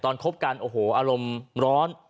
คบกันโอ้โหอารมณ์ร้อน